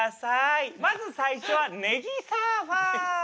まず最初はねぎサーファー。